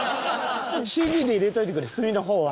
ＣＧで入れておいてくれスミの方は。